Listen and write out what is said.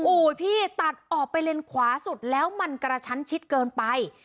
โอ้โหพี่ตัดออกไปเลนขวาสุดแล้วมันกระชั้นชิดเกินไป